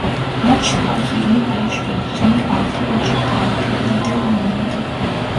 Maçlar yirmi beş ve yirmi altı Ocak tarihlerinde oynandı.